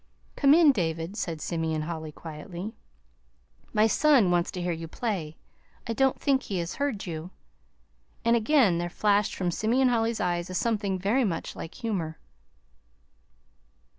"Come in, David," said Simeon Holly quietly. "My son wants to hear you play. I don't think he has heard you." And again there flashed from Simeon Holly's eyes a something very much like humor.